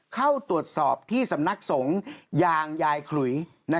เข้าตรวจสอบที่สำนักสงฆ์ยางยายขลุย